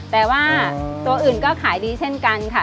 แต่ว่าตัวอื่นก็ขายดีเช่นกันค่ะ